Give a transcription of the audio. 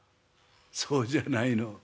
「そうじゃないの。